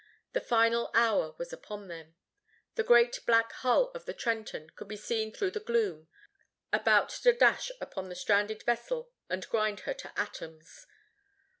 The final hour was upon them. The great black hull of the Trenton could be seen through the gloom, about to dash upon the stranded vessel and grind her to atoms.